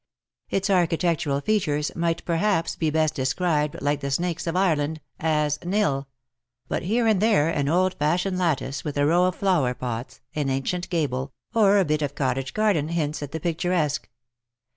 Its architectural features might perhaps be best described like the snakes of Ireland as nil — but here arid there an old fashioned lattice with a row of flower pots, an ancient gable, or a bit of cottage garden hints at the picturesque.